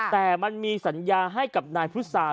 แต่มันมีสัญญาให้กับนายพุษา